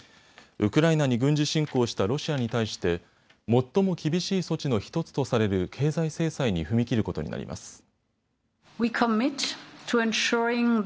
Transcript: ウクライナに軍事侵攻したロシアに対して最も厳しい措置の１つとされる経済制裁に踏み切ることになります。